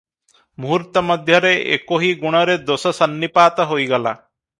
ମୁହୂର୍ତ୍ତ ମଧ୍ୟରେ 'ଏକୋହି ଗୁଣରେ ଦୋଷ ସନ୍ନିପାତ' ହୋଇଗଲା ।